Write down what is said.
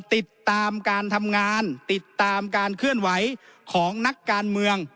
ติดตามการทำงานติดตามการเคลื่อนไหวของนักการเมือง